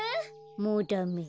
もうダメ